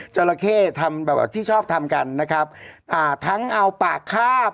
จราเข้ทำแบบที่ชอบทำกันนะครับอ่าทั้งเอาปากคาบ